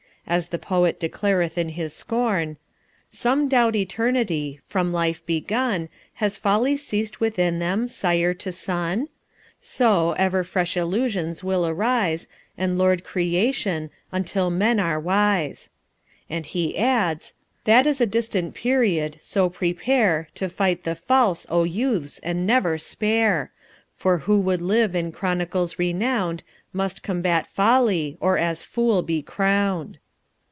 As the poet declareth in his scorn: Some doubt Eternity: from life begun, Has folly ceased within them, sire to son? So, ever fresh Illusions will arise And lord creation, until men are wise. And he adds: That is a distant period; so prepare To fight the false, O youths, and never spare! For who would live in chronicles renowned Must combat folly, or as fool be crowned.